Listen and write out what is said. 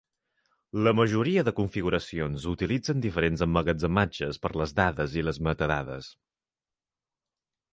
La majoria de configuracions utilitzen diferents emmagatzematges per les dades i les metadades.